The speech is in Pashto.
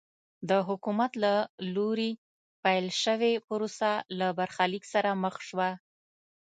د حکومت له لوري پیل شوې پروسه له برخلیک سره مخ شوه.